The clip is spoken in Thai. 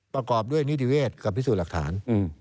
ประกอบด้วยนิติเวศกับพิสูจน์หลักฐาน